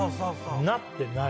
なってない！